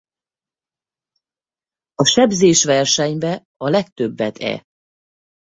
A sebzés versenybe a legtöbbet e?